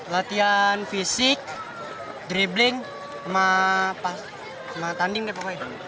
latihan fisik dribbling sama tanding deh pokoknya